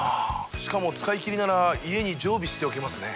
しかも使いきりなら家に常備しておけますね。